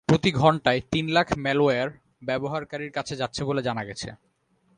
প্রতি ঘণ্টায় তিন লাখ ম্যালওয়্যার ব্যবহারকারীর কাছে যাচ্ছে বলে জানা গেছে।